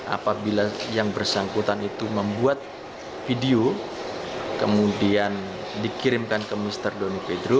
apabila yang bersangkutan itu membuat video kemudian dikirimkan ke mr doni pedro